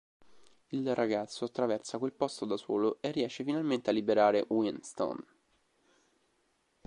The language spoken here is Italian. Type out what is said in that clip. Il ragazzo attraversa quel posto da solo e riesce finalmente a liberare Winston.